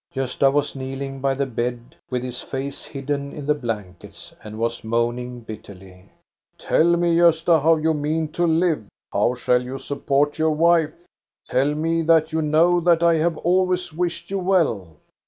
Gosta was kneeling by the bed with his face hidden in the blankets, and was moaning bitterly. " Tell me, Gosta, how you mean to live? How shall you support your wife? Tell me that You know that I have always wished you well."